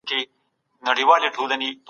تاسو بايد د مطالعې لپاره ازاده فضا غوښتنه وکړئ.